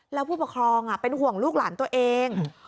แล้วผู้ปกครองเป็นห่วงลูกหลานตัวเอง